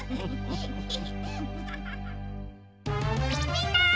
みんな！